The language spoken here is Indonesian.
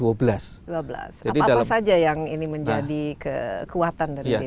apa saja yang ini menjadi kekuatan dari desa itu